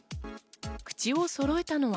口をそろえたのは。